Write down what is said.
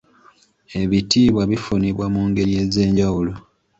Ebitiibwa bifunibwa mu ngeri ez'enjawulo.